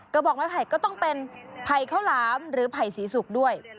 กระบอกไม้ไผ่ก็ต้องเป็นไผ่ข้าวหลามหรือไผ่สีสุกด้วย